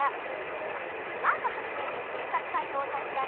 まずはじめに検索サイトを立ち上げ